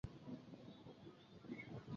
这是中国朝鲜族的第一所近代新型学校。